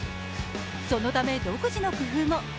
そのため独自の工夫も。